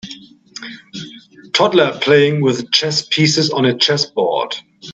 Toddler playing with chess pieces on a chessboard.